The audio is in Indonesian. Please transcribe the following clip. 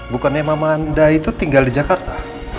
bukannya mama anda itu tinggal di jakarta